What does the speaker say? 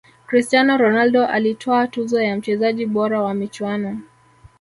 cristiano ronaldo alitwaa tuzo ya mchezaji bora wa michuano